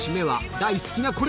大好きなこれ！